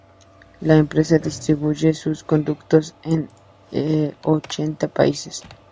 La empresa distribuye sus productos en ochenta países.